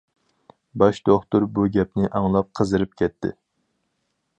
باش دوختۇر بۇ گەپنى ئاڭلاپ قىزىرىپ كەتتى.